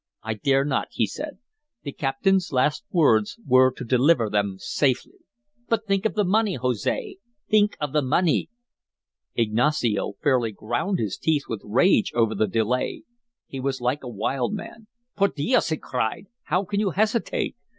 "I dare not," he said. "The captain's last words were to deliver them safely." "But think of the money, Jose! Think of the money!" Ignacio fairly ground his teeth with rage over the delay; he was like a wild man. "Por dios," he cried, "how can you hesitate?